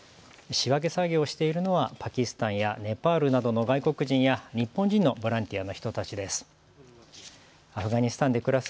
仕分け作業をしているのはパキスタンやネパールなどの外国人や日本人のボランティアの人たちです。